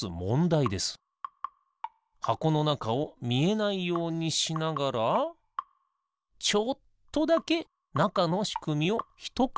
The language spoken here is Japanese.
はこのなかをみえないようにしながらちょっとだけなかのしくみをひとくふう。